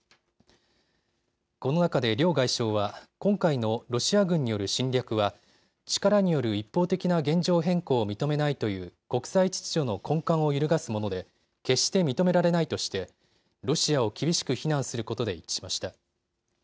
この中で両外相は今回のロシア軍による侵略は力による一方的な現状変更を認めないという国際秩序の根幹を揺るがすもので、決して認められないとしてロシアを厳しく非難することで一致しました。